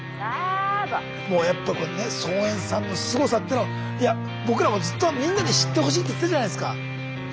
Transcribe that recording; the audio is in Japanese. もうやっぱこれね操演さんのすごさっていうのをいや僕らもずっとみんなに知ってほしいって言ったじゃないすか。